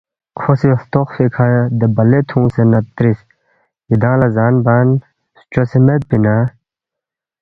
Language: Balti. کھو سی ہلتوخفی کھہ دے بلے تُھونگسے نہ ترِس ”یدانگ لہ زان بان چی فچوے چنگ میدپی اِنا؟“